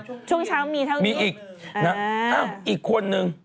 ช่วงช้ำมีทั้งนึงมีอีกนะอ้าวอีกคนนึง